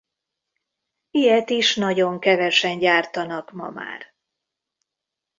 Ilyet is nagyon kevesen gyártanak ma már.